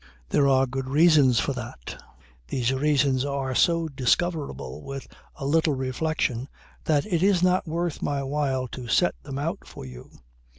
There are good reasons for that. These reasons are so discoverable with a little reflection that it is not worth my while to set them out for you.